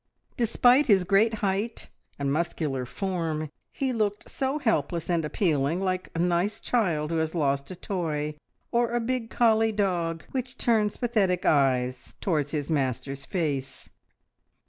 Despite his great height and muscular form, he looked so helpless and appealing, like a nice child who has lost a toy, or a big collie dog which turns pathetic eyes towards his master's face.